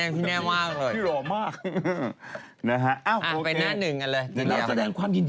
สีผม